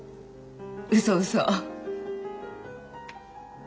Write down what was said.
うそうそ。